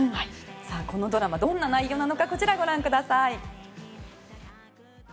このドラマどんな内容なのかこちらご覧ください。